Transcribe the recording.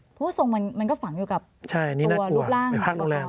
เพราะว่าทรงมันมันก็ฝังอยู่กับใช่อันนี้น่ากลัวตัวรูปร่างไปพักโรงแรม